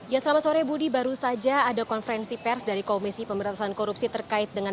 ya selamat sore budi baru saja ada konferensi pers dari komisi pemberantasan korupsi terkait dengan